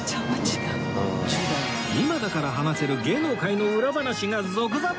今だから話せる芸能界の裏話が続々！